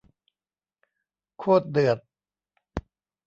โคตรเดือด